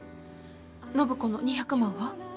暢子の２００万は？